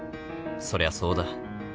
そりゃそうだ